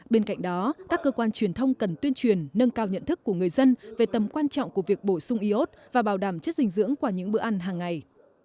bên cạnh đó các cơ quan truyền thông cần tuyên truyền nâng cao nhận thức của người dân về tầm quan trọng của việc bổ sung iốt và bảo đảm chất dinh dưỡng qua những bữa ăn hàng ngày